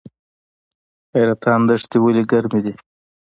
حیرتان دښتې ولې ګرمې دي؟